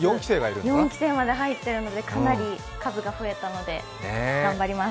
４期生までいるのでかなり数が増えたので頑張ります。